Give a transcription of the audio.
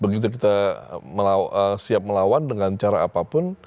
begitu kita siap melawan dengan cara apapun